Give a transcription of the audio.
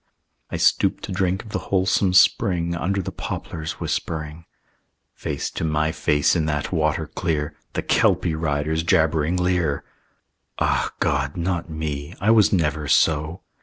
I stooped to drink of the wholesome spring Under the poplars whispering: Face to my face in that water clear The Kelpie rider's jabbering leer! Ah, God! not me: I was never so!